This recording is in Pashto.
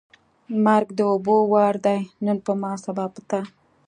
ـ مرګ د اوبو وار دی نن په ما ، سبا په تا.